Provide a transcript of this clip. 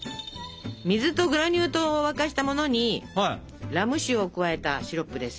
水とグラニュー糖を沸かしたものにラム酒を加えたシロップです。